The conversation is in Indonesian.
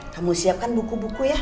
kamu siapkan buku buku ya